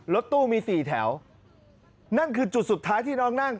รถตู้มีสี่แถวนั่นคือจุดสุดท้ายที่น้องนั่ง